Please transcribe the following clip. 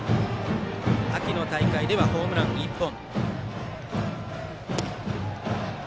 秋の大会ではホームラン１本。